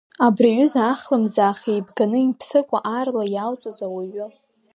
Абри аҩыза ахлымӡаах еибганы, имԥсыкәа аарла иалҵыз ауаҩы.